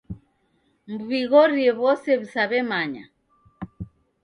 Mw'ighorie w'ose w'isaw'emanya.